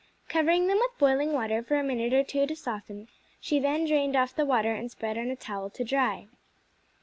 Covering them with boiling water for a minute or two to soften, she then drained off the water and spread on a towel to dry.